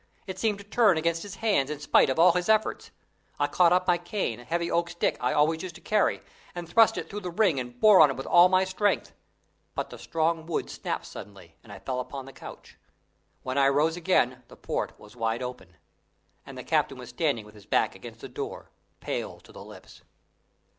It seemed to turn against his hands in spite of all his efforts. I caught up my cane, a heavy oak stick I always used to carry, and thrust it through the ring and bore on it with all my strength. But the strong wood snapped suddenly, and I fell upon the couch. When I rose again the port was wide open, and the captain was standing with his back against the door, pale to the lips.